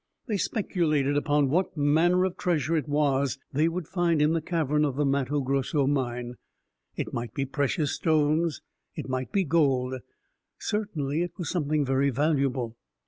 They speculated upon what manner of treasure it was they would find in the cavern of the Matto Grosso mine. It might be precious stones, it might be gold. Certainly it was something very valuable.